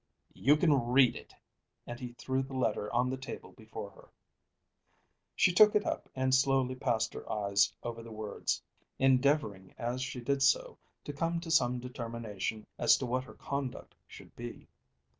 "You can read it," and he threw the letter on the table before her. She took it up and slowly passed her eyes over the words, endeavouring, as she did so, to come to some determination as to what her conduct should be.